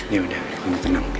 ya udah kamu tenang ya